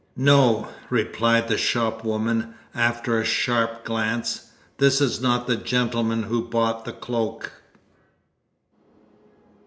"No," replied the shopwoman, after a sharp glance. "This is not the gentleman who bought the cloak."